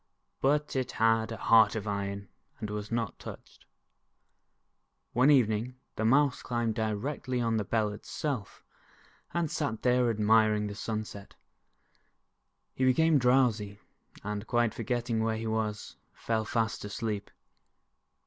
But it had a heart of iron and was not touched. One evening, the Mouse climbed directly on the Bell itself, and sat there admiring the sunset. He became drowsy, and quite forgetting where he was, fell fast asleep.